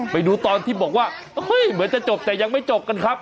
ไปดูตอนที่บอกว่าเหมือนจะจบแต่ยังไม่จบกันครับ